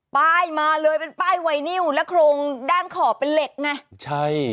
ป้ายมาเลยเป็นป้ายไว่นิวแล้วโครงเดือนขอบเป็นเเล็กเนี่ย